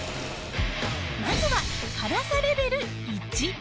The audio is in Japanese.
まずは辛さレベル１。